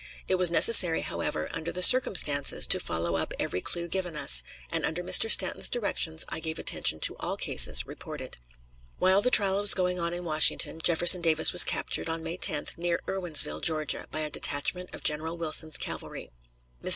It was necessary, however, under the circumstances, to follow up every clew given us, and, under Mr. Stanton's directions, I gave attention to all cases reported. While the trial was going on in Washington, Jefferson Davis was captured, on May 10th, near Irwinsville, Ga., by a detachment of General Wilson's cavalry. Mr.